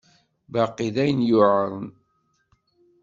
Baqi d ayen yuɛren.